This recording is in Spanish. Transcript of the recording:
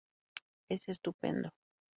Es estupendo".